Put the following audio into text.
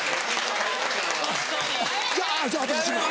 じゃあ私も。